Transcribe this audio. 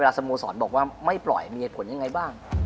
สโมสรบอกว่าไม่ปล่อยมีเหตุผลยังไงบ้าง